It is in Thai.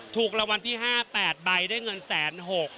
ถูกรางวัลที่๕๘ใบด้วยเงิน๑๖๐๐บาท